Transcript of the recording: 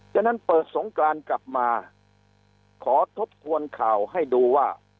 ฉะนั้นเปิดสงกรานกลับมาขอทบทวนข่าวให้ดูว่า